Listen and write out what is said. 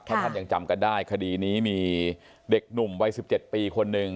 ถ้าท่านยังจำกันได้คดีนี้มีเด็กหนุ่มวัย๑๗ปีคนหนึ่ง